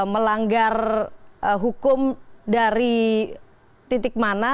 melanggar hukum dari titik mana